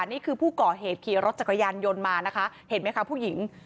นี่คือผู้ก่อเหตุขี่รถจักรยานยนต์มานะคะเห็นไหมคะผู้หญิง